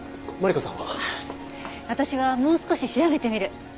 私はもう少し調べてみる。